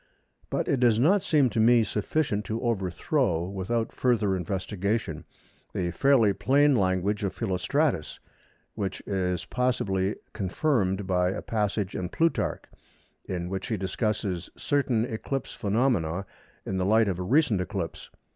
But it does not seem to me sufficient to overthrow, without further investigation, the fairly plain language of Philostratus, which is possibly confirmed by a passage in Plutarch in which he discusses certain eclipse phenomena in the light of a recent eclipse.